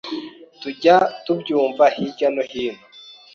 tujya tubyumva hirya no hino